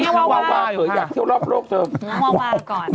หอยอยากเที่ยวรอบโลกใช่ไหม